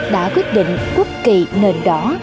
đã quyết định quốc kỳ nền đỏ